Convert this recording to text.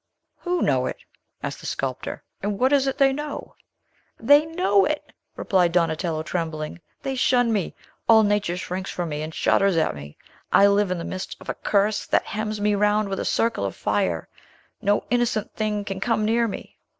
"Who know it?" asked the sculptor. "And what is it their know?" "They know it!" repeated Donatello, trembling. "They shun me! All nature shrinks from me, and shudders at me! I live in the midst of a curse, that hems me round with a circle of fire! No innocent thing can come near me."